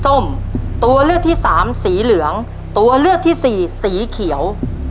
ตัวเลือกที่สามสีเหลืองตัวเลือกที่สี่สีเขียว